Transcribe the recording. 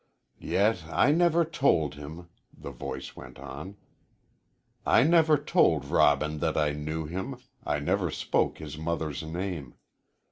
"Yet I never told him," the voice went on, "I never told Robin that I knew him I never spoke his mother's name.